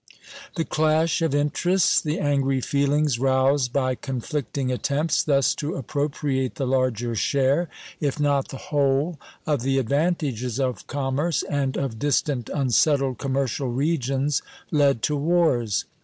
The clash of interests, the angry feelings roused by conflicting attempts thus to appropriate the larger share, if not the whole, of the advantages of commerce, and of distant unsettled commercial regions, led to wars.